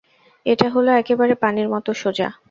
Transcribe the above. এটা হল একেবারে পানির মতো সোজা।